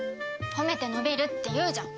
褒めて伸びるって言うじゃん。